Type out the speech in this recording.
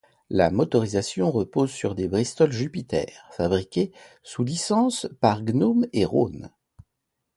La motorisation repose sur des Bristol Jupiter, fabriqués sous licence par Gnome et Rhône.